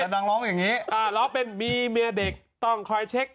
ตั้งดั่งร้องอย่างงี้อ่าร้องเป็นเมียเด็กต้องคอยเช็ก